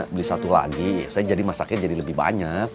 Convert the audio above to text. beli satu lagi saya jadi masaknya jadi lebih banyak